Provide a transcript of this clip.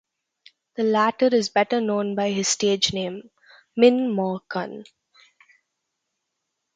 The latter is better known by his stage name Min Maw Kun.